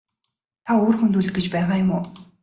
Та үр хөндүүлэх гэж байгаа юм уу?